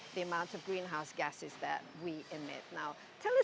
dalam mengurangkan jumlah gas perumahan yang kami emisi